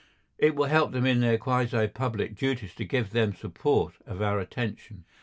It will help them in their quasi public duties to give them the support of our attention.